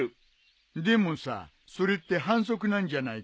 でもさそれって反則なんじゃないかな？